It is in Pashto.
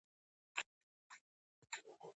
کتابونه یې په ارزانه بیه خپاره شول.